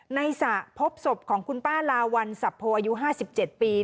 สระพบศพของคุณป้าลาวัลสับโพอายุ๕๗ปี